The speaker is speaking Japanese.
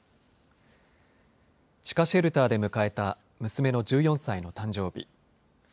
地下シェルターで迎えた娘の１４歳の誕生日。